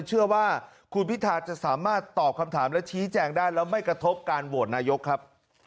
เชื่อว่าคุณพิธาจะสามารถตอบคำถามและชี้แจงได้แล้วไม่กระทบการโหวตนายกครับ